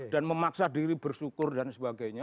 dan memaksa diri bersyukur dan sebagainya